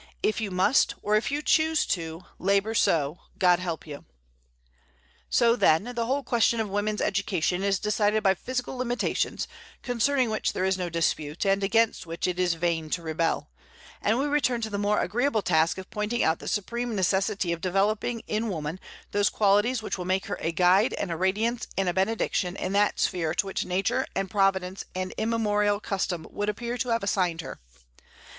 If you must, or if you choose to, labor so, God help you! So, then, the whole question of woman's education is decided by physical limitations, concerning which there is no dispute, and against which it is vain to rebel; and we return to the more agreeable task of pointing out the supreme necessity of developing in woman those qualities which will make her a guide and a radiance and a benediction in that sphere to which Nature and Providence and immemorial custom would appear to have assigned her.